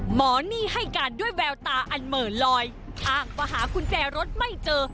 หนี้ให้การด้วยแววตาอันเหม่อลอยอ้างว่าหากุญแจรถไม่เจอ